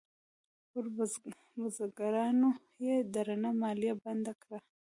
پر بزګرانو یې درنه مالیه بنده کړه.